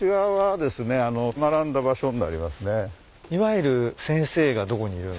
いわゆる先生がどこにいるんすか？